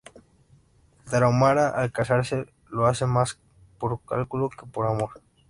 El tarahumara, al casarse, lo hace más por cálculo que por amor.